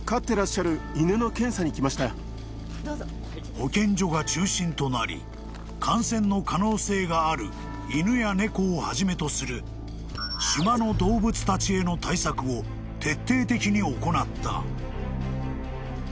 ［保健所が中心となり感染の可能性がある犬や猫をはじめとする島の動物たちへの対策を徹底的に行った］